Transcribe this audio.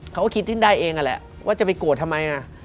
เขาก็คิดได้เองอะแหละว่าจะไปโกรธทำไม